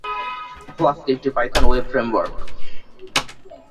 Flask একটি Python web framework.